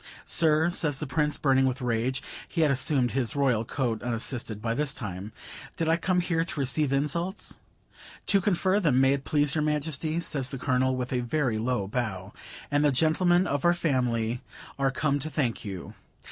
"Sir," says the Prince, burning with rage (he had assumed his Royal coat unassisted by this time), "did I come here to receive insults?" "To confer them, may it please your Majesty," says the Colonel, with a very low bow, "and the gentlemen of our family are come to thank you."